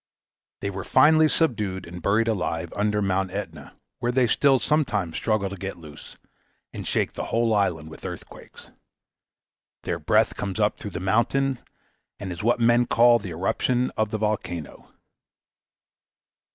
They were finally subdued and buried alive under Mount Aetna, where they still sometimes struggle to get loose, and shake the whole island with earthquakes. Their breath comes up through the mountain, and is what men call the eruption of the volcano.